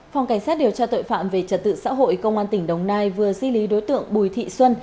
phòng cảnh sát điều tra tội phạm về trật tự xã hội công an tỉnh đồng nai vừa di lý đối tượng bùi thị xuân